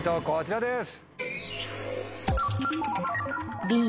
こちらです。